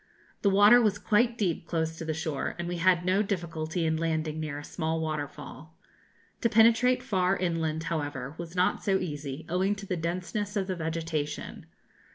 The water was quite deep close to the shore, and we had no difficulty in landing, near a small waterfall. To penetrate far inland, however, was not so easy, owing to the denseness of the vegetation.